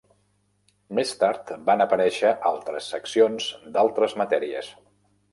Més tard van aparèixer altres seccions d'altres matèries.